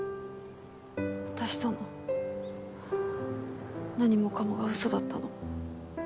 私との何もかもが嘘だったの？